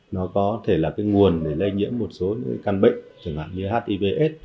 nó có thể là cái nguồn để lây nhiễm một số những căn bệnh chẳng hạn như hivs